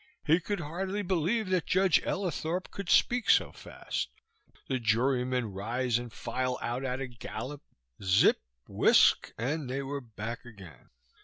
He could hardly believe that Judge Ellithorp could speak so fast, the jurymen rise and file out at a gallop, zip, whisk, and they were back again.